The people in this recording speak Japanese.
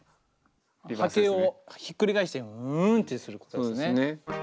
波形をひっくり返したようなウンってすることですね。